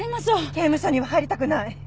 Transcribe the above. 刑務所には入りたくない！